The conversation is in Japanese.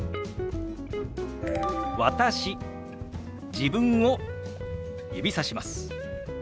自分を指さします。